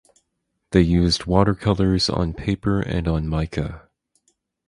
They used watercolours on paper and on mica.